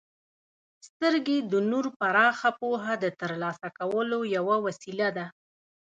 •سترګې د نور پراخه پوهه د ترلاسه کولو یوه وسیله ده.